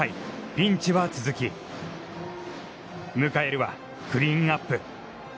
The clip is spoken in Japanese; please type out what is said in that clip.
ピンチは続き迎えるはクリーンナップ。